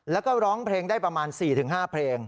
แล้วก็ร้องเพลงได้ประมาณ๔๕เพลง